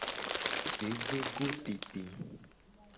Vevegotete.